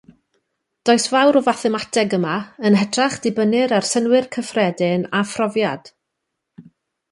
Does fawr o fathemateg yma, yn hytrach dibynnir ar synnwyr cyffredin a phrofiad.